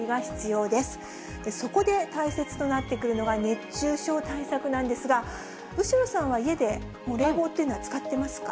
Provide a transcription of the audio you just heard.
そこで大切となってくるのが、熱中症対策なんですが、後呂さんは家で、冷房っていうのは使ってますか？